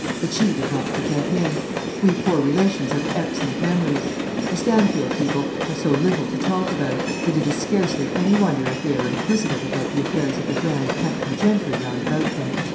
But she did not forget him. We poor relations have excellent memories. The Stanfield people have so little to talk about, that it is scarcely any wonder if they are inquisitive about the affairs of the grand country gentry round about them.